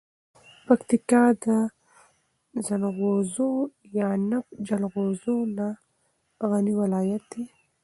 پکتیکا د زنغوزو یعنب جلغوزو نه غنی ولایت ده.